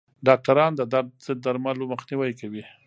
ډاکټران د درد ضد درملو مخنیوی کوي.